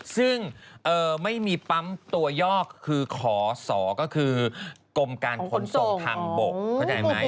ซึ่งไม่มีปั๊บตัวยอกคือขอสอกก็คือกลมการผลส่งทำบก